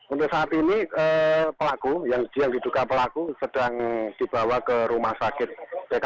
untuk saat ini pelaku yang diduga pelaku sedang dibawa ke rumah sakit